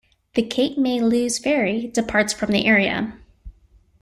The Cape May-Lewes Ferry departs from the area.